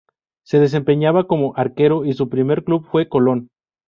Se desempeñaba como arquero y su primer club fue Colón.